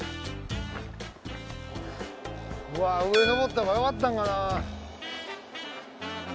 うわっ上登ったほうがよかったんかな。